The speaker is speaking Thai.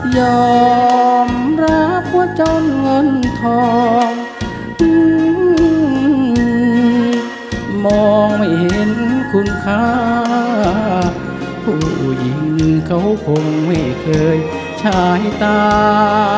ยอมรับว่าจนเงินทองมองไม่เห็นคุณค่าผู้หญิงเขาคงไม่เคยฉายตา